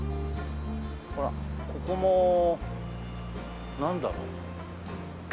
ほらここもなんだろう？